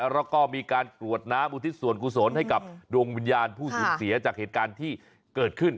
แล้วก็มีการกรวดน้ำอุทิศส่วนกุศลให้กับดวงวิญญาณผู้สูญเสียจากเหตุการณ์ที่เกิดขึ้น